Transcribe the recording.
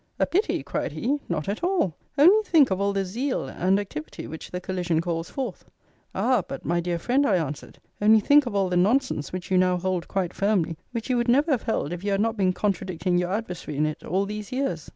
"A pity?" cried he; "not at all! Only think of all the zeal and activity which the collision calls forth!" "Ah, but, my dear friend," I answered, "only think of all the nonsense which you now hold quite firmly, which you would never have held if you had not been contradicting your adversary in it all these years!"